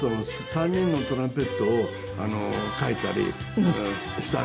３人のトランペットを書いたり。